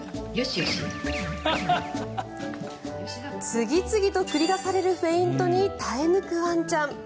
次々と繰り出されるフェイントに耐え抜くワンちゃん。